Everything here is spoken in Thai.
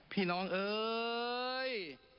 พี่น้องเอ้ย